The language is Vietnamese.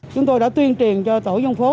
chúng tôi đã tuyên truyền cho tổ dân phố